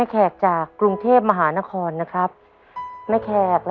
คนถึงต้องกินมาติวะ